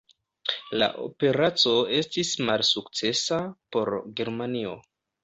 La operaco estis malsukcesa por Germanio.